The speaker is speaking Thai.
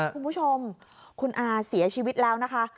คุณผู้ชมคุณอาเสียชีวิตแล้วนะคะ